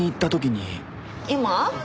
今？